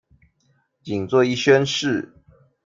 僅做一宣示